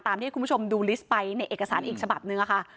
ที่ให้คุณผู้ชมดูลิสต์ไปในเอกสารอีกฉบับนึงค่ะ